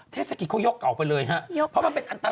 เทศกิจเขายกออกไปเลยฮะเพราะมันเป็นอันตราย